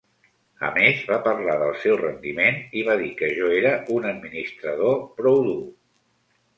A més, va parlar del seu rendiment i va dir que jo era un administrador prou dur.